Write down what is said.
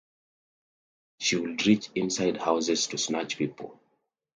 She would reach inside houses to snatch people.